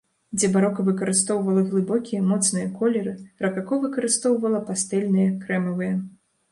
Дзе барока выкарыстоўвала глыбокія, моцныя колеры, ракако выкарыстоўвала пастэльныя, крэмавыя.